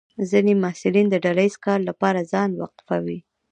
ځینې محصلین د ډله ییز کار لپاره ځان وقفوي.